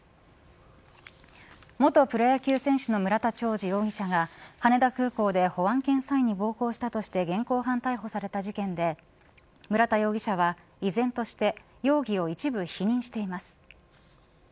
元プロ野球選手の村田兆治容疑者が羽田空港で保安検査員に暴行したとして現行犯逮捕された事件で村田容疑者は依然として容疑を一部否認しています。